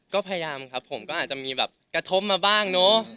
ก็พยายามครับผมก็อาจจะมีแบบกระทบมาบ้างเนอะ